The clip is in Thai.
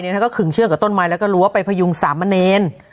ท่านก็ขึงเชือกกับต้นไม้แล้วก็รั้วไปพยุงสามเณร